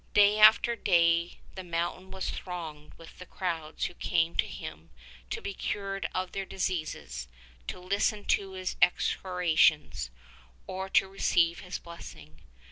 Day after day the mountain was thronged with the crowds who came to him to be cured of their diseases, to listen to his exhortations, or to receive his blessing.